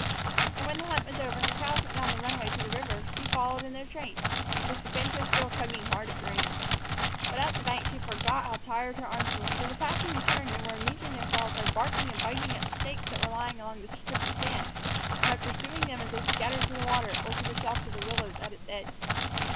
And when the hunt was over and the cows went down the runway to the river, she followed in their train, with the pinto still tugging hard at the reins. But at the bank she forgot how tired her arms were, for the pack had returned and were amusing themselves by barking and biting at the snakes that were lying along the strip of sand, and by pursuing them as they scattered to the water or to the shelter of the willows at its edge.